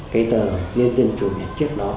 cái tờ nhân dân chủ nhật trước đó